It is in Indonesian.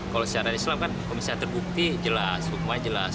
kalau secara islam kan kalau misalnya terbukti jelas hukumnya jelas